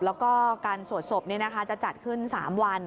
แล้วก็การสวดศพจะจัดขึ้น๓วัน